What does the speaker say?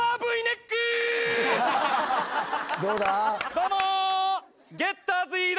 どうも。